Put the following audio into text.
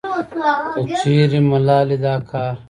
کچېرې ملالې دا کار